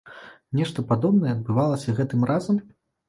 Нешта падобнае адбывалася гэтым разам?